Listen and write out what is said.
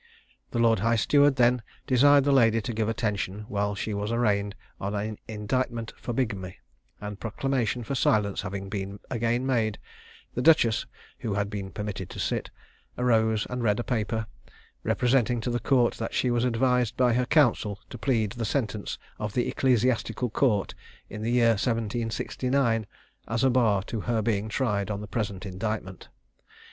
The lord high steward then desired the lady to give attention while she was arraigned on an indictment for bigamy; and proclamation for silence having been again made, the duchess (who had been permitted to sit) arose, and read a paper, representing to the Court that she was advised by her counsel to plead the sentence of the Ecclesiastical Court in the year 1769 as a bar to her being tried on the present indictment.